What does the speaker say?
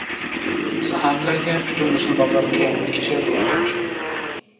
ساھابىلەرگە پۈتۈن مۇسۇلمانلار قىيامەتكىچە دۇئا قىلىشىدۇ.